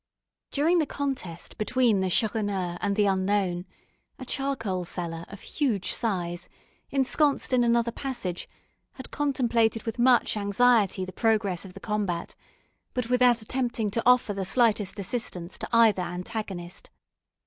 During the contest between the Chourineur and the unknown, a charcoal seller, of huge size, ensconced in another passage, had contemplated with much anxiety the progress of the combat, but without attempting to offer the slightest assistance to either antagonist.